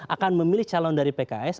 akan memilih calon dari pks